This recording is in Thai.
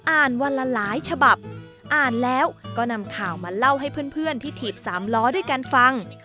วันละหลายฉบับอ่านแล้วก็นำข่าวมาเล่าให้เพื่อนที่ถีบสามล้อด้วยกันฟัง